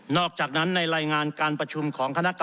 อกจากนั้นในรายงานการประชุมของคณะกรรม